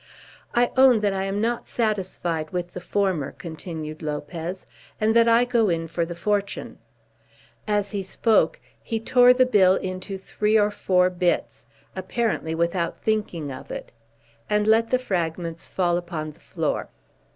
"I own that I am not satisfied with the former," continued Lopez, "and that I go in for the fortune." As he spoke he tore the bill into three or four bits, apparently without thinking of it, and let the fragments fall upon the floor.